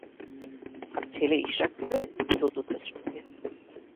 আর ছেলে ইশরাক পড়ে চতুর্থ শ্রেণিতে।